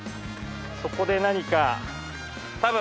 そこで何か。